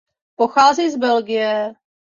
Pochází z Belgie.